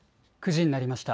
９時になりました。